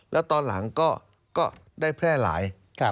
แล้วตอนหลังก็ได้แพร่หลาย